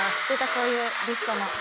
こういうリフトの。